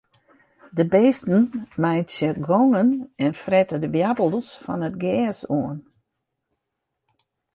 De bisten meitsje gongen en frette de woartels fan it gjers oan.